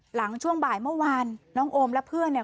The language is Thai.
หลังช่วงบ่ายเมื่อวานน้องโอมและเพื่อนเนี่ย